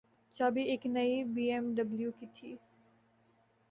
چابی ایک نئی بی ایم ڈبلیو کی تھی۔